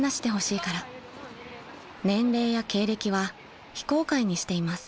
［年齢や経歴は非公開にしています］